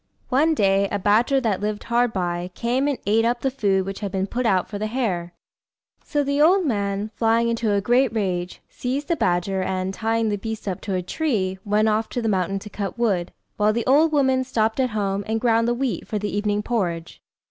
One day, a badger, that lived hard by, came and ate up the food which had been put out for the hare; so the old man, flying into a great rage, seized the badger, and, tying the beast up to a tree, went off to the mountain to cut wood, while the old woman stopped at home and ground the wheat for the evening porridge.